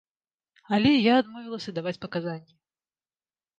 Але я адмовілася даваць паказанні.